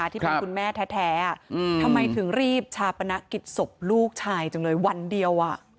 ที่เป็นคุณแม่แท้ทำไมถึงรีบชาปนกิจศพลูกชายจังเลยวันเดียว